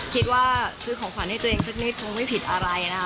คิดว่าซื้อของขวัญให้ตัวเองสักนิดคงไม่ผิดอะไรนะคะ